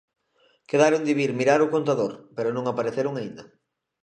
Quedaron de vir mirar o contador, pero non apareceron aínda.